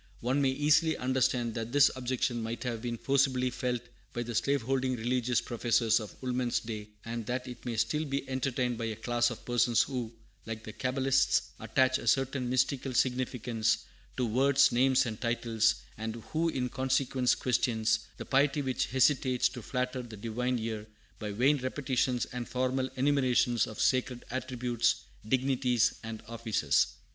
One may easily understand that this objection might have been forcibly felt by the slave holding religious professors of Woolman's day, and that it may still be entertained by a class of persons who, like the Cabalists, attach a certain mystical significance to words, names, and titles, and who in consequence question the piety which hesitates to flatter the Divine ear by "vain repetitions" and formal enumeration of sacred attributes, dignities, and offices.